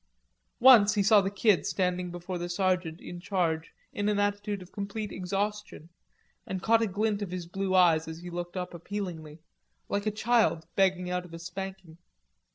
Once he saw the Kid standing before the sergeant in charge in an attitude of complete exhaustion, and caught a glint of his blue eyes as he looked up appealingly, looking like a child begging out of a spanking.